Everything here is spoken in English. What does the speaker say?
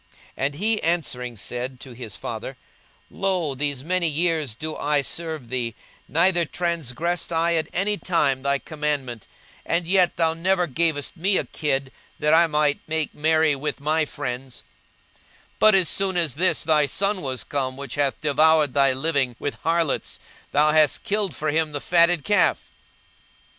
42:015:029 And he answering said to his father, Lo, these many years do I serve thee, neither transgressed I at any time thy commandment: and yet thou never gavest me a kid, that I might make merry with my friends: 42:015:030 But as soon as this thy son was come, which hath devoured thy living with harlots, thou hast killed for him the fatted calf.